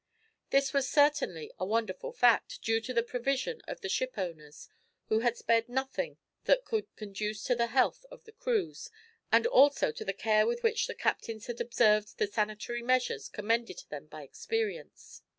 This was certainly a wonderful fact, due to the prevision of the ship owners, who had spared nothing that could conduce to the health of the crews, and also to the care with which the captains had observed the sanitary measures commended to them by experience.